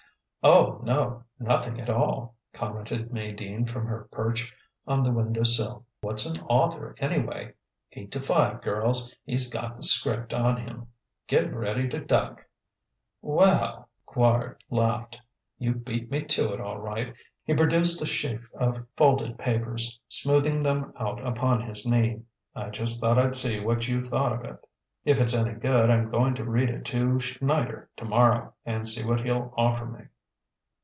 "Oh, no, nothin' at all!" commented May Dean from her perch on the window sill. "What's an author, anyway? Eight to five, girls, he's got the 'script on him. Get ready to duck." "Wel l!" Quard laughed "you beat me to it, all right." He produced a sheaf of folded papers, smoothing them out upon his knee. "I just thought I'd see what you thought of it. If it's any good I'm going to read it to Schneider tomorrow and see what he'll offer me."